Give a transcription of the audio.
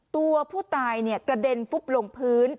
ตัวผู้ตายกระเด็นฟุบลงพื้น